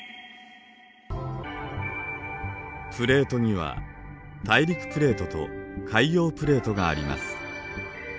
プレートには「大陸プレート」と「海洋プレート」があります。